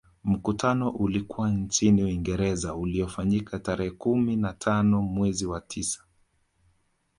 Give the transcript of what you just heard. Mkutano ulikuwa nchini Uingereza uliofanyika tarehe kumi na tano mwezi wa tisa